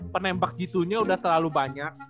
penembak g dua nya udah terlalu banyak